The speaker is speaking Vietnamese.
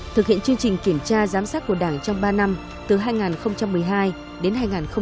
thực hiện chương trình kiểm tra giám sát của đảng trong ba năm từ hai nghìn một mươi hai đến hai nghìn một mươi tám